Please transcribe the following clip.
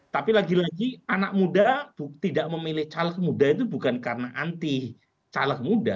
tapi lagi lagi anak muda tidak memilih caleg muda itu bukan karena anti caleg muda